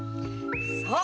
そう！